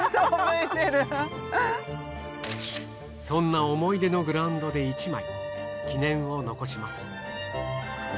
そんな思い出のグラウンドで１枚記念を残します。